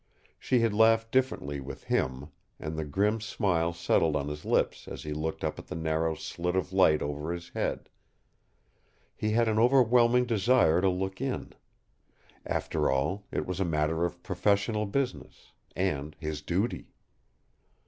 She had laughed differently with HIM and the grim smile settled on his lips as he looked up at the narrow slit of light over his head. He had an overwhelming desire to look in. After all, it was a matter of professional business and his duty.